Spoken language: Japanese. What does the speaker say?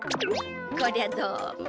こりゃどうも。